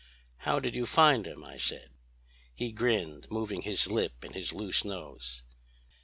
"'How did you find him?' I said. "He grinned, moving his lip and his loose nose.